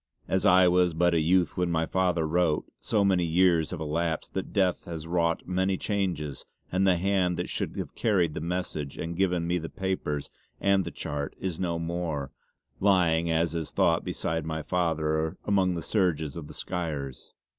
As I was but a youth when my father wrote, so many years have elapsed that death has wrought many changes and the hand that should have carried the message and given me the papers and the chart is no more, lying as is thought beside my father amongst the surges of the Skyres.